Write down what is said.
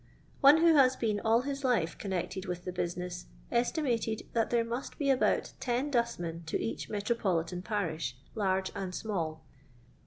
One who has been all his life connected with the business estimated that there must be about ten dustmen to each metropolitan parish, large and small.